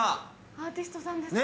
アーティストさんですかね？